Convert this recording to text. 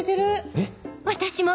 えっ！